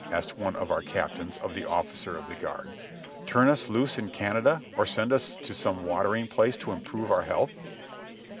asked one of our captains of the officer of the guard. "Turn us loose in Can ada, or send us to some watering place to improve our health?"